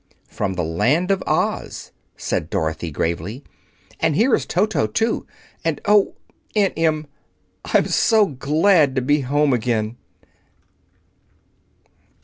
"From the Land of Oz," said Dorothy gravely. "And here is Toto, too. And oh, Aunt Em! I'm so glad to be at home again!"